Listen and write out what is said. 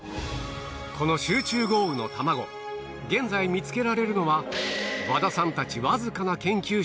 この集中豪雨のたまご現在見つけられるのは和田さんたちわずかな研究者たちだけ